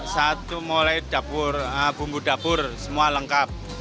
satu mulai bumbu dapur semua lengkap